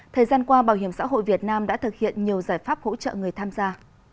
thời gian qua bảo hiểm xã hội việt nam đã thực hiện nhiều giải pháp hỗ trợ người tham gia